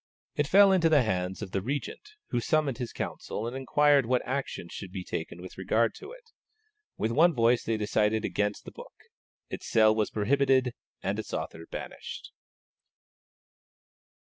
It fell into the hands of the Regent, who summoned his council and inquired what action should be taken with regard to it. With one voice they decided against the book; its sale was prohibited, and its author banished.